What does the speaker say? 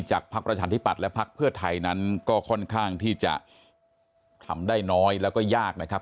พักประชาธิปัตย์และพักเพื่อไทยนั้นก็ค่อนข้างที่จะทำได้น้อยแล้วก็ยากนะครับ